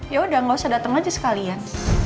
ya udah gak usah dateng aja sekalian